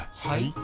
はい？